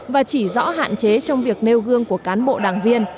và chỉ rõ hạn chế trong việc nêu gương của cán bộ đảng viên